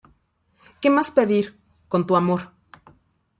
¿Qué más pedir? Con tu amor.